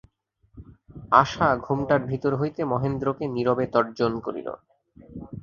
আশা ঘোমটার ভিতর হইতে মহেন্দ্রকে নীরবে তর্জন করিল।